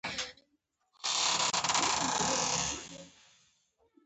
غرمه د پخلنځي غږونو اورېدو وخت دی